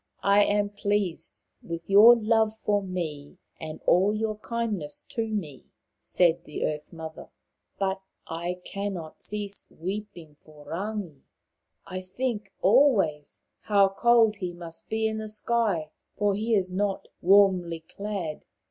" I am pleased with your love for me, and all your kindness to me," said the Earth mother, " but I cannot cease weeping for Rangi. I think always how cold he must be in the sky, for he is not warmly clad."